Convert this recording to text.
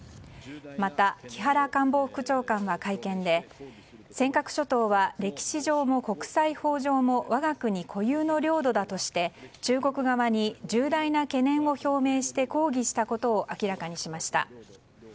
また、木原官房副長官は会見で尖閣諸島は歴史上も国際法上も我が国固有の領土だとして中国側に重大な懸念を表明して抗議したことを明らかにしました。